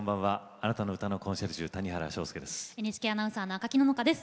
あなたの歌のコンシェルジュ谷原章介です。